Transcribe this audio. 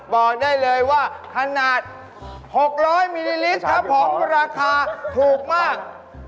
บอกได้เลยว่าขนาด๖๐๐มิลลิลิตรครับผมราคาถูกมาก